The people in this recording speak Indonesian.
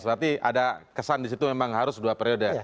berarti ada kesan di situ memang harus dua periode